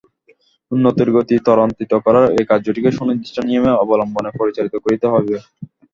উন্নতির গতি ত্বরান্বিত করার এই কার্যটিকে সুনির্দিষ্ট নিয়ম অবলম্বনে পরিচালিত করিতে হইবে।